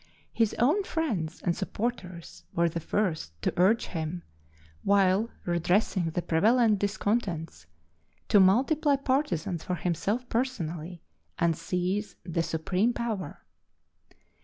His own friends and supporters were the first to urge him, while redressing the prevalent discontents, to multiply partisans for himself personally, and seize the supreme power.